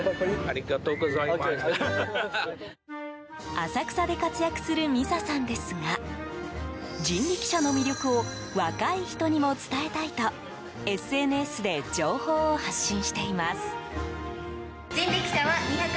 浅草で活躍するミサさんですが人力車の魅力を若い人にも伝えたいとＳＮＳで情報を発信しています。